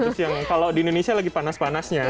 wah jam satu siang kalau di indonesia lagi panas panasnya